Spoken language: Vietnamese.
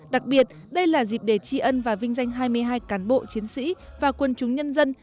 đặc biệt đây là dịp để tri ân và vinh danh hai mươi hai cán bộ chiến sĩ và quân chúng nhân dân